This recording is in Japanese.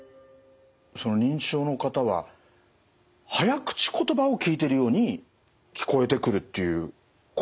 認知症の方は早口言葉を聞いてるように聞こえてくるっていうことなんですね？